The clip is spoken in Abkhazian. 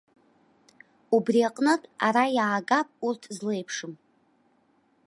Убри аҟнытә, ара иаагап урҭ злеиԥшым.